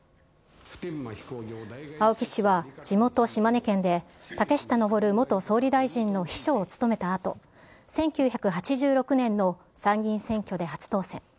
青木氏は地元、島根県で竹下登元総理大臣の秘書を務めたあと、１９８６年の参議院選挙で初当選。